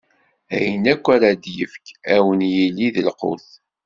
Ayen akk ara d-ifk, ad wen-yili d lqut.